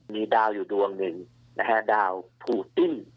มีดาวอยุ่ดวงนึงนะครับดาวผูติ้น